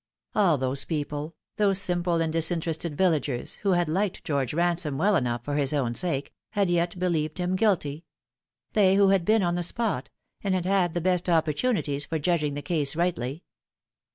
All those people, those simple and disinter ested villagers, who had liked George Bansome well enough for his own sake, had yet believed him guilty ; they who had been on the spot, and had had the best opportunities for judging the case rightly.